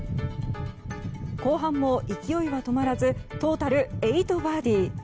後半も勢いは止まらずトータル８バーディー。